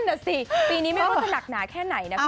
นั่นอ่ะสิปีนี้ไม่ว่าจะหนักหนาแค่ไหนนะ